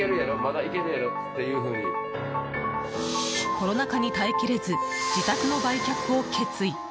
コロナ禍に耐えきれず自宅の売却を決意。